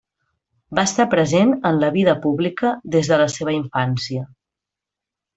Va estar present en la vida pública des de la seva infància.